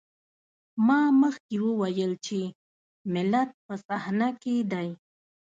ما مخکې وويل چې ملت په صحنه کې دی.